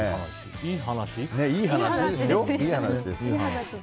いい話ですよ。